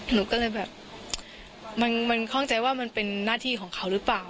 หนูก็เลยแบบมันคล่องใจว่ามันเป็นหน้าที่ของเขาหรือเปล่า